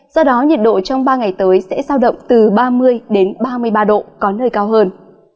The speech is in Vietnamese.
do đó nhiệt độ trong ba ngày tới sẽ giao động từ ba mươi ba mươi ba độ có nơi cao hơn